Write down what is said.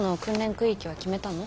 空域は決めたの？